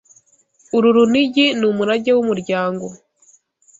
Uru runigi ni umurage wumuryango.